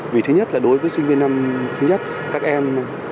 vì thứ nhất là đối với sinh viên năm thứ nhất các em